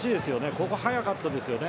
ここ、速かったですよね。